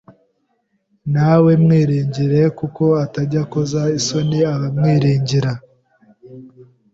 nawe mwiringire kuko atajya akoza isoni abamwiringira.